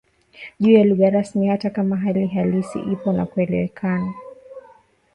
juu ya lugha rasmi hata kama hali halisi ipo na kuelewekan